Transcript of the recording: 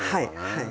はい。